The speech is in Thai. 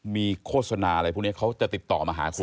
มีโฆษณาอะไรพวกนี้เขาจะติดต่อมาหาคุณ